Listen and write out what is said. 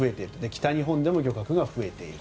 北日本でも漁獲量が増えている。